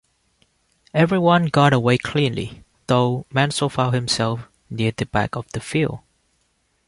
Everyone got away cleanly, though Mansell found himself near the back of the field.